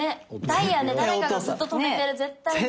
ダイヤね誰かがずっと止めてる絶対ね。